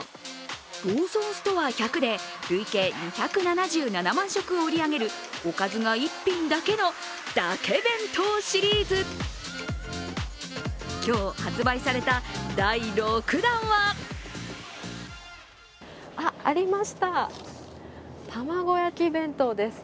ローソンストア１００で累計２７７万食を売り上げるおかずが一品だけのだけ弁当シリーズ。今日発売された第６弾はありました、玉子焼弁当です。